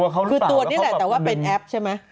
คือตัวนี้แหละแต่ว่าเป็นแอปใช่ไหม